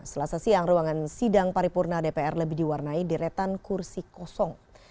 selasa siang ruangan sidang paripurna dpr lebih diwarnai deretan kursi kosong